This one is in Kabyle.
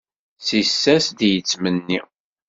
Ssis-as-d i yettmenni.